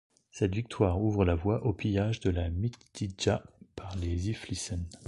Cette victoire ouvre la voie au pillage de la Mitidja par les Iflissen.